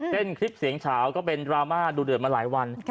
เล่นคลิปเสียงเฉาก็เป็นดราม่าดูเดือดมาหลายวัน